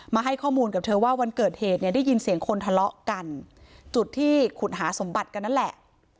ให้ข้อมูลกับเธอว่าวันเกิดเหตุเนี่ยได้ยินเสียงคนทะเลาะกันจุดที่ขุดหาสมบัติกันนั่นแหละ